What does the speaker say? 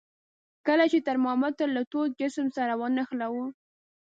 کله چې ترمامتر له تود جسم سره ونښلولو.